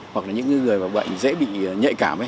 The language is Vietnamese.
hoặc là những người bệnh dễ bị nhạy cảm